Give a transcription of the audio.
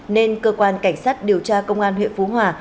nên cơ quan cảnh sát điều tra công an huyện phú hòa